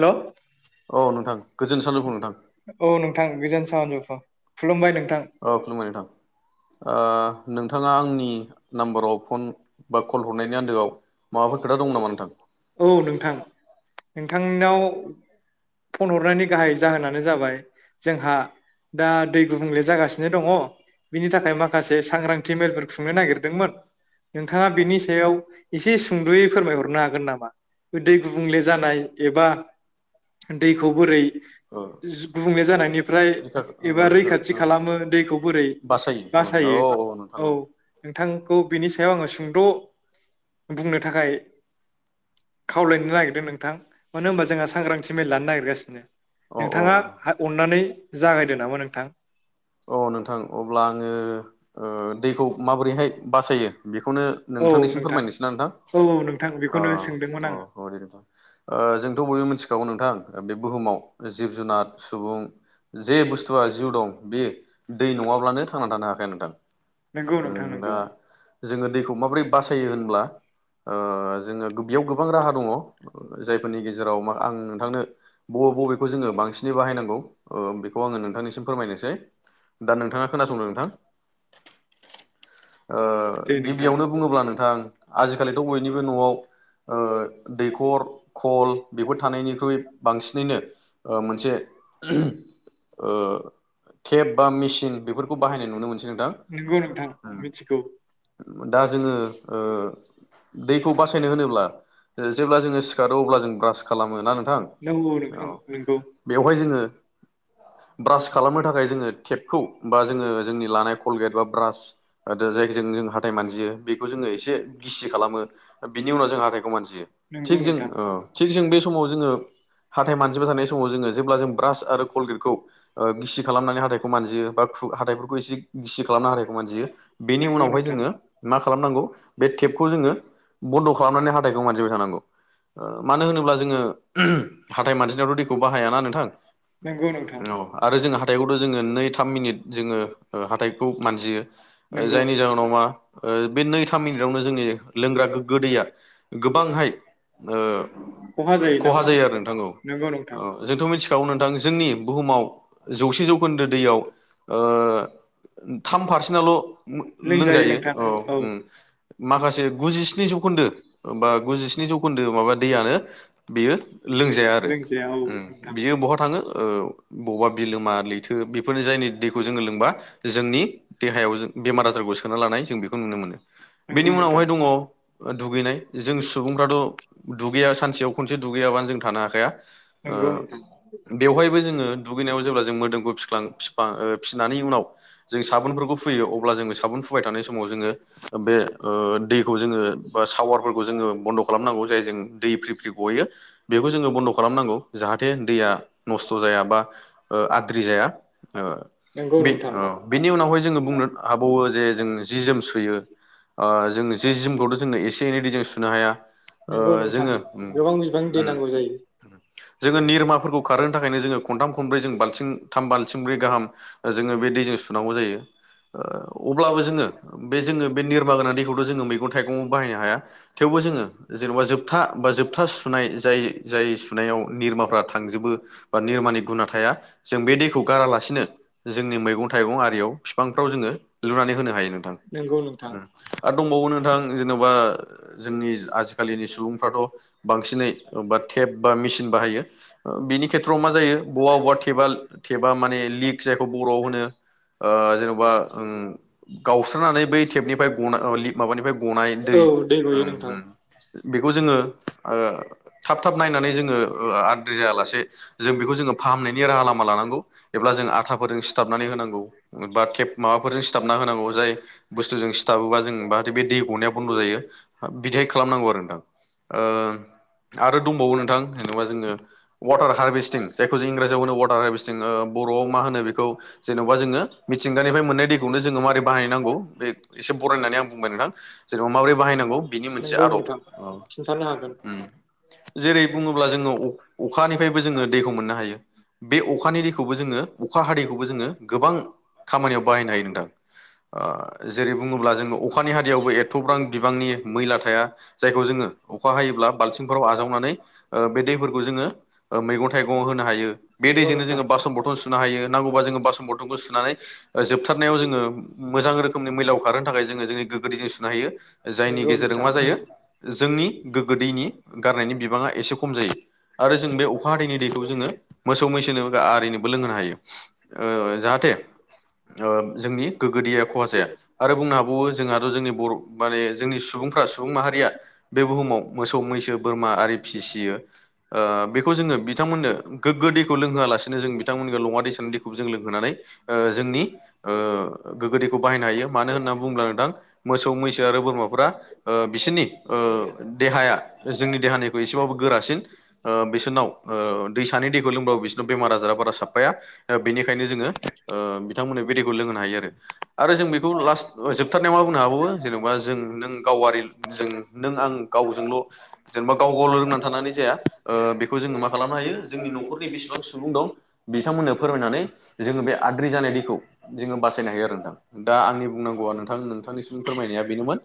हेल' औ नोंथां गोजोन सानजौफु नोंथां औ नोंथां गोजोन सानजौफु खुलुमबाय नोंथां औ खुलुमबाय नोंथां। ओह नोंथाङा आंनि नाम्बाराव फन बा कल हरनायनि आन्दोआव माबाफोर खोथा दं नामा नोंथां? औ नोंथां नोंथा थांनाव फन हरनायनि गाहाय जाहोनानो जाबाय जोंहा दा दै गुबुंले जागासिनो दङ बिनि थाखाय माखासे सांग्रांथि मेलफोर खुंनो नागिरदोंमोन नोंथाङा बिनि सायाव एसे सुंदयै फोरमायहरनो हागोन नामा? दै गुबुंले जानाय एबा दैखौ बोरै ओ जु गुबुंले जानायनिफ्राय रैखा एबा ओ रैखाथि रैखा खालामो दैखौ बोरै बासायो औ नोंथांखौ बिनि सायाव आङो सुंद बुंनो थाखाय खावलायनो नागिरदों नोंथां अ मानो होनबा जोंहा सांग्रांथि मेल लानो नागिरगासिनो औ नोंथाङा अननानै जागायदो नामा नोंथां अ नोंथां अब्ला आङो ओ ओह दैखौ माबोरैहाय बासायो बेखौनो औ नोंथांनिसिम नोंथां फोरमायनोसै ना नोंथां औ नोंथां बेखौनो सोंदोंमोन आं अ औ दे दे नोंथां । ओह जोंथ बयबो मिथिखागौ नोंथां बे बुहुमाव जिब जुनार सुबुं जे बुस्थुआ जिउ दं बे दै नङाब्लानो थांना थानो हाखाया नोंथां । नोंगौ नोंथां नंगौ ओह दा जोंङो दैखौ माबोरै बासायो होनब्ला ओ जोंङो बेयाव गोबां राहा दङ । जायफोरनि गेजेराव मा आं नोंथांनो बबे बबेखौ जोंङो बांसिनै बाहायनांगौ ओ बेखौ आङो नोंथांनिसिम फोरमायनोसै दा नोंथांङा खोनासंदो नोंथां । दे ओ नोंथां गिबियावनो बुङोब्ला नोंथां आजिखालिथ बयनिबो न'आव ओ दैखर खल बेफोर थानायनिख्रुइ बांसिनैनो ओह मोनसे ओह टेप बा मेसिन बेफोरखौ बाहायनाय नुनो मोनसै। नोंथां नंगौ नोंथां मिथिगौ दा जोङो जोंङो ओ दैखौ बासायनो ओह [unintelligible] अब्लाजों ब्रास खालामो ना नोंथां नोंथां नंगौ बेवहाय जोंङो ब्रास खालामनो थाखाय जोंङो थेपखौ बा जोंङो जोंनि लानाय ख एबा ब्रास दा जायजों जों हाथाय मानजियो बेखौ जोंङो एसे गिसि खालामो बिनि उनाव जों हाथाइखौ मानजियो नंगौ थिग जों नोंथां ओह थिग जों बे समाव जोंङो हाथाइ मानजिबाय थानाय समाव जोंङो जेब्ला जों ब्रास आरो कलगेटखौ गिसि खालामनानै हाथाइखौ मानजियो बा खु हाथाइफोरखौ एसे गिसि खालामना हाथाइखौ मानजियो बेनि नंगौ उनावहाय नोंथां जोंङो मा खालामनांगौ बे टेपखौ जोंङो बन्द खालामनानै हाथाइखौ मानजिबाय थानांगौ। ओह मानो होनोब्ला जोंङो हाथाइ मानसिनायावथ दैखौ बाहायाना नोंथां नंगौ नोंथां औ आरो जों हाथाइखौथ जोङो नै थाम मिनिट जोंङो ओ खौ मानजियो नंगौ जायनि जाहोनाव मा बे नैथाम मिनिटावनो जोंनि लोंग्रा गोग्गो दैया गोबांहाय ओ खहा जायो आरो नोंथां नंगौ नोंथां औ जोंथ मिथिखागौ नोंथां जोंनि बुहुमाव जौसे जौखोन्दो दैयाव ओ थाम पारसेन आल लोंजायो औ माखासे गुजिस्नि जौखोन्दो बा गुजस्नि जौ दो माबा दैआनो बियो लोंजाया आरो लोंजाया औ नोंथां बियो बहा थाङो ओ बबावबा बिलोमा लैथो बेफोरनि जायनि दैखौ जोंङो लोंबा जोंनि देहायाव जों बेमार आजारखौ सोना लानाय जों बेखौ नुनो मोनो बेनि नंगौ नोंथां उनावहाय दङ दुगैनाय जों सुबुंफ्राथ दुगैया सानसेयाव खनसे दुगैयाबानो जों थानो हाखाया ओ नंगौ नोंथां बेवहायबो जोंङो दुगैनायाव जेब्ला जों मोदोमखौ फिफल्फाङो फिसिनायनि उनाव जों साबोनफोरखौ फुयो अब्ला जोंङो साबोन फुबाय थानाय समाव जोङो बे ओ दैखौ जोंङो बा सावारफोरखौ जोंङो बन्द खालामनांगौ । जाय जों दै फ्रि फ्रि गयो बेखौ जोंङो बन्द खालामनांगौ जाहाथे दैया नस्थ जाया बा आद्रि जाया नंगौ ओ बे नोंथां बेनि उनावहाय जोंङो बुंनो हाबावो जे जों जि जोम सुयो ओ जों जि जोमखौथ जोङो एसे एनैदि जों सुनो हाया । ओ नंगौ नोंथां जोंङो उम्म गोबां बिबांनि दै उम्म नांगौ जायो जोंङो निरमाफोरखौ खारहोनो थाखायनो जोंङो खनथाम खनब्रै जों बाल्थिं थाम बालथिंब्रै गाहाम जोंङो बे दैजों सुनांगौ जायो अब्लाबो जोङो बे जोंङो बे निर्मा गोनां दैखौथ जोंङो मैगं थाइगङाव बाहायनो हाया थेवबो जोंङो जेनबा जोबथा बा जोबथा सुनाय जाय जाय सुनायाव निरमाफ्रा थांजोबो बा निरमानि गुना थाया जों बे दैखौ गारालासिनो जोंनि मैगं थाइ मैगं आरियाव फिफांफ्राव जोङो लुनानै होनो हायो नोंथां दंबावो नोंथां जेनबा जोंनि सुबुंफ्रा बांसिनै टेब बा मेसिन बाहायो बिनि खेथ्रआव मा जायो बबेबा बबेबा टेबा टेबा माने लिक जायखौ बरआव होनो ओ जेन'बा ओम [unintelligible] गावस्रानानै बै टेपनिफ्राय गनाय माबानिफ्राय गनाय औ दै गयो ओम नोंथां ओम बेखौ जोङो ओ थाब थाब नायनानै जोङो ओ आद्रि जायालासे जों बेखौ जोङो फाहामनायनि राहा लामा लानांगौ एब्ला जों आथाफोरजों सिथाबनानै होनांगौ बा टेप माबाफोरजों सिथाबना होनांगौ जाय बुस्थुजों सिथाबोबा जों बाहाथे बे दै गनाया बन्द जायो बिदि खालामन नोंथां ओ आरो दंबावो नोंथां जेनेबा जोङो वाटार हारभेस्टिं जायखौ जों इंराजयाव होनो वाटार हारभेस्टिं बरआव मा होनो बेखौ जे जेनेबा जोङो मिथिंगानिफ्राय मोननाय दैखौनो जोङो माबोरै बाहायनांगौ बे एसे बराय होननानै आं बुंबाय नोंथां जेनेबा माबोरै बाहायनांगौ बिनि मोनसे मोनसे नंगौ आदब नोंथां खिन्थानो हागोन उम जेरै बुङोब्ला जोङो अअखानिफ्रायबो जोङो दैखौ मोननो हायो बे अखानि दैखौबो जोङो अखा हादैखौबो जोङो गोबां खामानियाव बाहायनो हायो नोंथां जेरै ओ बुङोब्ला जोङो अखानि हारियावबो एरथबां बिबांनि मैला थाया जायखौ जोङो अखा हायोब्ला बालथिंफोराव आजावनानै ओ बे दैफोरखौ जोङो मैगं थाइगं आव होनो हायो बे नंगौ दैजों नोंथां दैजोंनो बासन बरथन सुनो हायो नांगौबा जोङो बासन बरथन सुनानै जोबथारनायाव जोङो मोजां रोखोमनि मैलाव खारहो थाखाय जोङो जोंनि गोगो दैजों सुनो हायो जायनि नंगौ गेजेरजों जों नोंथां मा जायो जोंनि गोगो दैनि गारनायनि बिबाङा एसे खम जायो आरो जों बे अखा हादैनि दैखौ जोङो मोसौ मैसो आरिनोबो लोंहोनो हायो ओ जाहाथे ओ जोंनि गोग्गो दैया खहा जाया आरो बुंनो हाबावो जोंहाथ जोंनि बर माने जोंनि सुबुं फ्रा सुबुं माहारिया बे बुहुमाव मोसौ मैसो बोरमा आरि फिसियो ओ बेखौ जोङो बिथांमोननो गोग्गो दैखौ लोंहोआलासिनो जों बिथांमोननो लङा दैसानि दैखौबो जों लोंहोनानै ओ जोंनि ओ गोग्गो दैखौ बाहायनो हायो मानो होनना बुङोब्ला नोंथां मोसौ मैसो आरो बोरमाफ्रा ओ बिसोरनि ओ देहाया जोंनि देहानिखोय एसेबाबो गोरासिन ओ बिसोरनाव ओ दैसानि दैखौ लोंबाबो बिसोरनाव बेमार आजारा बारा साफाया ओ बेनिखायनो जोङो ओ बिथांमोननो बे दैखौ लोंहोनो हायो आरो आरो जों बेखौ लास्ट जोबथारनायाव मा बुंनो हाबावो जेनेबा जों नों गावारि जों नों आं गावजोंल' जेनेबा गाव गावल' रोंनानै थानानै जाया ओ बेखौ जोङो मा खालामनो हायो जोंनि न'खरनि बेसेबां सुबुं दं बिथांमोननो फोरमायनानै जोङो बे आद्रि जानाय दैखौ जोङो बासायनो हायो आरो नोंथां दा आंनि बुंनांगौआ नोंथां नोंथांनिसिम फोरमायनाया बेनोमोन।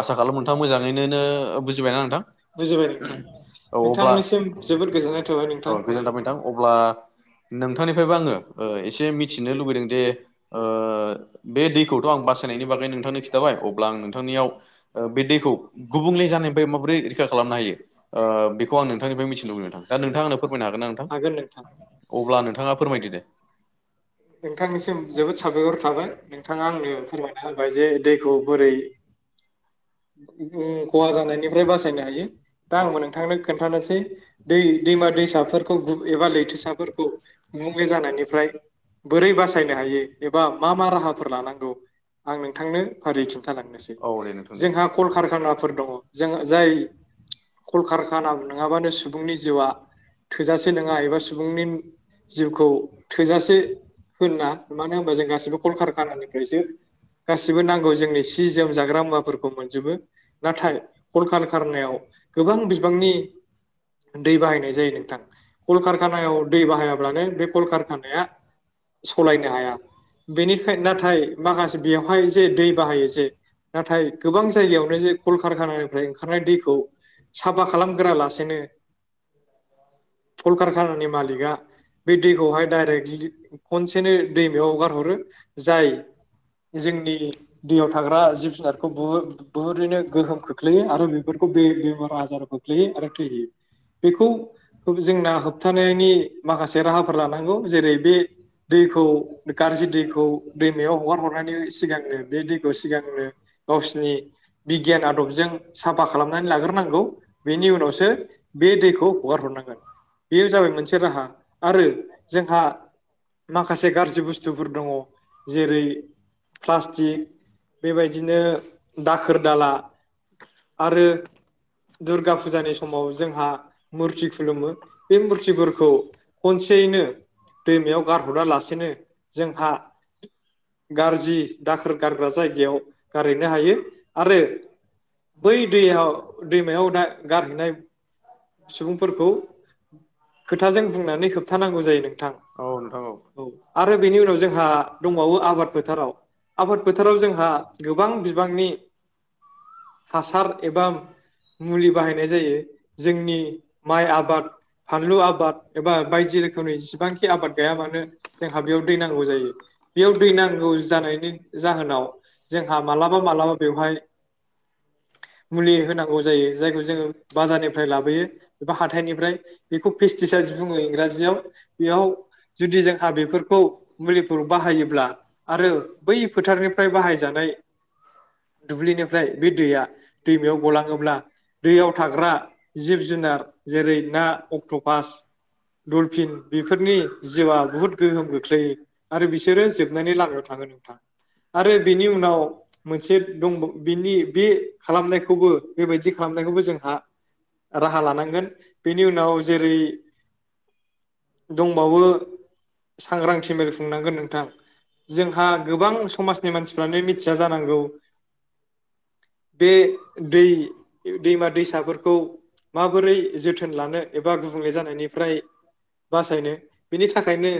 आसा खालाम नोंथांङा मोजाङैनोनो बुजिबायना नोंथां बुजिबाय नोंथां औ अब्ला नोंथांनिसिम जोबोद गोजोननाय थाबाय औ नोंथां गोजोनथाब नोंथां अब्ला नोंथांनिफ्रायबो आङो एसे मिथिनो लुबैदों जे ओ बे दैखौथ' आं बासायनायनि बागै नोंथांनो खिन्थाबाय अब्ला आं नोंथांनियाव ओ बे दैखौ गुबुंले जानायनिफ्राय माबोरै रैखा खालामनो हायो ओ बेखौ आं नोंथांनिफ्राय मिथिनो लुबैबाय नोंथां दा नोंथांङा आंनो फोरमायनो हागोन ना नोंथां अब्ला नोंथाङा फोरमायदो दे नोंथांनिसिम जोबोद साबायखर थाबाय नोंथाङा आंनो फोरमायना होबाय जे दैखौ बोरै दैखौ खहा जानायनिफ्राय बासायनो हायो दा आंबो नोंथांनो खोन्थानोसै दै दैमा दैसाफोरखौ एबा लैथोसाफोरखौ गुबुंले जानायनि फ्राय बोरै बासायनो हायो एबा मा मा राहाफोर लानांगौ आं नोंथांनो फारियै खिन्थालांनोसै औ दे नोंथां दे जोंहा । कारखानाफोर दङ जों जाय कलकारखाना नङाबानो सुबुंनि जिउआ थोजासे नङा एबा सुबुंनि जिउखौ थोजासे होना मानो होनबा जों गासैबो कलकारखानानिफ्रायसो गासिबो नांगौ जोंनि सि जोम जाग्रा मुवाफोरखौ मोनजोबो। नाथाय कलकारखानायाव गोबां बिबांनि दै बाहायनाय जायो नोंथां कलकारखानायाव दै बाहायाब्लानो बे कलकार आ सलायनो हाया बेनिखाय नाथाय माखासे बेवहाय जे दै बाहायो जे नाथाय गोबां जायगायावनो जे कलकारखानानिफ्राय ओंखारनाय दैखौ साफा खालामगोरा लासेनो कलकारखानानि मालिका बे दैखौहाय डायरेक्ट खनसेनो दैमायाव हगारहरो जाय जोंनि दैयाव थाग्रा जिब जुनारखौ बोहुर बुहुत नो गोहोम खोख्लैयो आरो बेफोरखौ बे-बेमार आजाराव खोख्लैयो आरो थैहोयो। बेखौ जोंना होबथानायनि माखासे राहाफोर लानांगौ जेरै बे दैखौ गाज्रि दैखौ दैमायाव हगार हरनायनि सिगांनो बे दैखौ सिगांनो गावसिनि बिगियान जों साफा खालामनो हागोन नांगौ बेनि उनावसो बे दैखौ बेयो जाबाय मोनसे राहा आरो जोंहा [unintelligible] माखासे गाज्रि बुस्थुफोर दङ जेरै प्लास्टिक बेबायदिनो दाखोर दाला आरो दुर्गा फुजानि समाव जोंहा मुरथि खनसेयैनो [unintelligible] दैमायाव गारहररालासेनो जोंहा गाज्रि दाखोर गारग्रा जायगायाव गारहैनो हायो। आरो बै दैयाव दैमायाव दा गारहैनाय सुबुंफोरखौ खोथाजों बुंनानै होबथानांगौ जायो नोंथां। औ नोंथां औ आरो बेनि उनाव जोंहा दंबावो आबाद फोथाराव आबाद फोथाराव जोंहा गोबां बिबांनि हासार एबा मुलि बाहायनाय जायो जोंनि माइ आबाद फानलु आबाद एबा बायदि रोखोमनि जसेबांखि जेखि आबाद गाया मानो जोंहा बेयाव दै नांगौ जायो बेयाव दै नांगौ जानायनि जाहोनाव जोंहा मालाबा मालाबा बेवहाय मुलि होनांगौ जायो जायखौ जोङो बाजारनिफ्राय लाबोयो एबा हाथाइनिफ्राय बेखौ पेस्टिसाइद बुङो इंराजियाव। बेयाव जुदि जोंहा बेफोरखौ मुलिफोर बाहायोब्ला आरो बै फोथारनिफ्राय बाहायजानाय दुब्लिनिफ्राय बे दैया दैमायाव गलाङोब्ला दैयाव थाग्रा जिब जुनार जेरै ना अक्ट'पास दलफिन बेफोरनि जिउआ बुहुत गोहोम खोख्लैयो आरो बिसोरो जोबनायनि लामायाव थाङो नोंथां आरो बेनि उनाव मोनसे बिनि बे खालामनायखौबो बेबायदि खालामनायखौबो जोंहा राहा लानांगोन बेनि उनाव जेरै दंबावो सांग्रांथि मेल खुंनांगोन नोंथां जोंहा गोबां समाजनि मानसिफ्रानो मिथिया जानांगौ बे दै दैमा दैसाफोरखौ माबोरै जोथोन लानो एबा गुबुंले जानायनिफ्राय बासायनो बेनि थाखायनो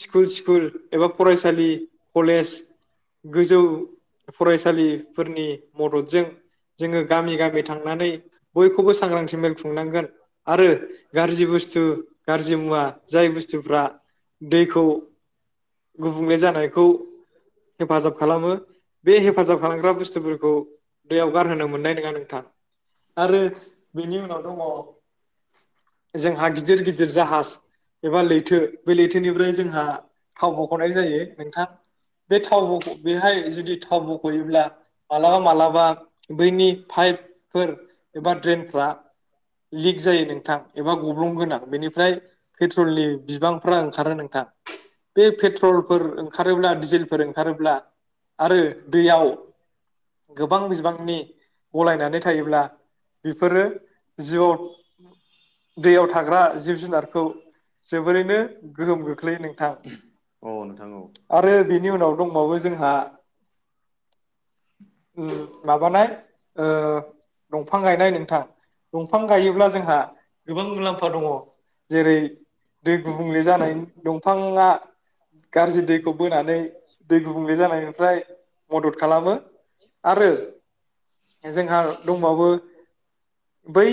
स्कुल स्कुल एबा फरायसालि कलेज गोजौ फरायसालिफोरनि मददजों जोङो गामि गामि थांनानै बयखौबो सांग्रांथि मेल खुंनांगोन आरो गाज्रि बुस्थु गाज्रि मुवा जाय बुस्थुफ्रा दैखौ गुबुंले जानायखौ हेफाजाब खालामो बे हेफाजाब खालामग्रा बुस्थुफोरखौ दैयाव गारहोनो मोननाय नङा नोंथां आरो बेनि उनाव दङ जोंहा गिदिर गिदिर जाहाज एबा लैथो बे लैथोनिफ्राय जोंहा थाव बख'नाय जायो नोंथां बे थाव बख बेहाय जुदि थाव बख'योब्ला मालाबा मालाबा बैनि पाइपफोर एबा ड्रेनफ्रा लिक जायो नोंथां एबा गब्लुं गोनां बेनिफ्राय पेट्रलनि बिबांफ्रा ओंखारो नोंथां बे पेट्रलफोर ओंखारोब्ला डिजेलफोर ओंखारोब्ला आरो दैयाव गोबां बिबांनि गलायनानै थायोब्ला बेफोरो जिउआव दैयाव थाग्रा जिब जुनारखौ जोबोरैनो गोहोम खोख्लैयो नोंथां अ नोंथां औ आरो बेनि उनाव दंबावो जोंहा माबानाय ओ दंफां गायनाय नोंथां दंफां गायोब्ला जोंहा गोबां मुलाम्फा दङ जेरै दै गुबुंले जानाय दंफाङा गाज्रि दैखौ बोनानै दै गुबुंले जानायनिफ्राय मदद खालामो आरो जोंहा दंबावो बै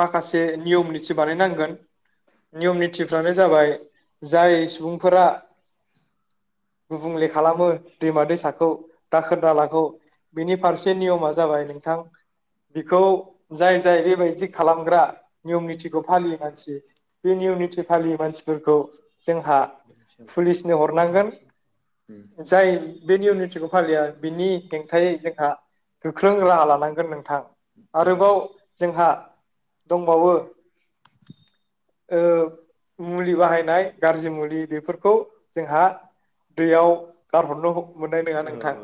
माखासे नियम निथि बानायनांगोन नियम नितफ्रानो जाबाय जाय सुबुंफोरा गुबुंले खालामो दैमा दैसाखौ दाखोर दालाखौ बिनि फारसे नियमा जाबाय नोंथां बिखौ जाय जाय बेबायदि खा खालामग्रा नियम निथिखौ फालियै मानसि बे नियम निथि फालियै मानसिफोरखौ जोंहा पुलिसनो हरनांगोन जाय बे नियउ नितखौ फालिया बिनि हेंथायै जोंहा गोख्रों राहा लानांगोन नोंथां आरोबाव जोंहा दंबावो ओ ओ मुलि बाहायनाय गारजि मुलि बेफोरखौ जोंहा दैयाव गारहरनो मोननाय नङा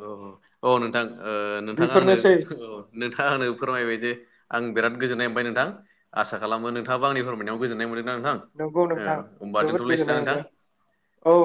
नोंथां बेफोरनोसै बेफोरनोसै आं बेराद गोजोनाय मोनबाय नों आसा खालामो नों थाङाबो आंनि फोरमायनायाव गोजोन्नाय मोनदों ना नोंथां नंगौ नोंथां ओ होमबा जोबोद गोजोननाय दोनथ'लायसैना नोंथां? मोनदों औ